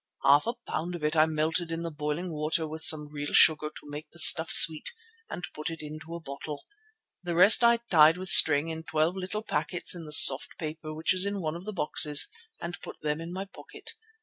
Half a pound of it I melted in boiling water with some real sugar to make the stuff sweet, and put it into a bottle. The rest I tied with string in twelve little packets in the soft paper which is in one of the boxes, and put them in my pocket.